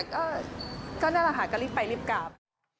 เออแต่ก็น่ารักฮะเร็วไปเร็วกลับ